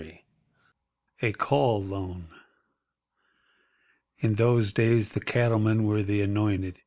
XIV A CALL LOAN In those days the cattlemen were the anointed.